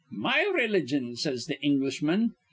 'My relligion,' says th' Englishman.